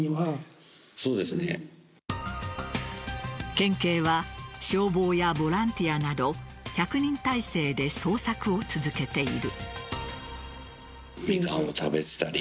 県警は消防やボランティアなど１００人態勢で捜索を続けている。